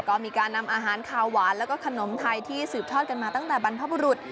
ก็มีการนำอาหารขาวหวานแล้วก็ขนมไทยที่สืบทอดกันมาตั้งแต่บรรพบุรุษ